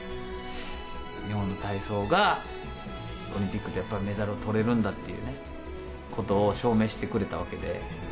日本の体操がオリンピックでやっぱりメダルをとれるんだっていうことを証明してくれたわけで。